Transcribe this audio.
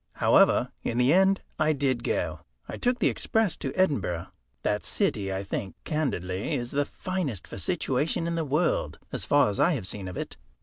However, in the end I did go. I took the express to Edinburgh. That city, I think candidly, is the finest for situation in the world, as far as I have seen of it.